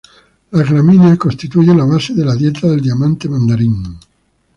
Las gramíneas constituyen la base de la dieta del diamante mandarín.